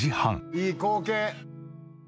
いい光景。